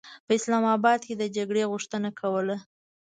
په اسلام اباد کې د جګړې غوښتنه کوله.